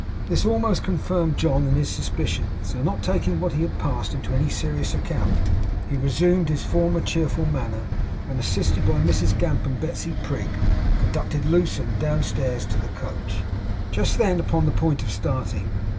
This almost confirmed John in his suspicion; so, not taking what had passed into any serious account, he resumed his former cheerful manner, and assisted by Mrs Gamp and Betsey Prig, conducted Lewsome downstairs to the coach; just then upon the point of starting.